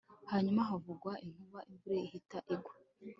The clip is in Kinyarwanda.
Hanyuma havuga inkuba imvura ihita igwa